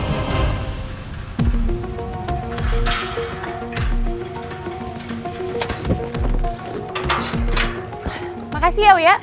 terima kasih ya wya